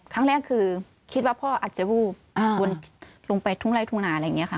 ครั้งแรกคือคิดว่าพ่ออาจจะวูบวนลงไปทุ่งไล่ทุ่งนาอะไรอย่างนี้ค่ะ